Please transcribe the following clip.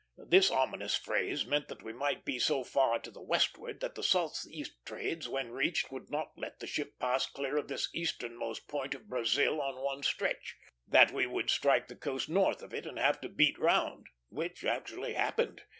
This ominous phrase meant that we might be so far to the westward that the southeast trades, when reached, would not let the ship pass clear of this easternmost point of Brazil on one stretch; that we would strike the coast north of it and have to beat round, which actually happened.